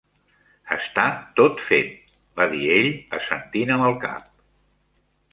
"Està tot fet", va dir ell, assentint amb el cap.